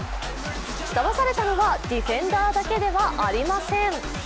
だまされたのはディフェンダーだけではありません。